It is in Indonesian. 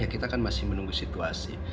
kita kan masih menunggu situasi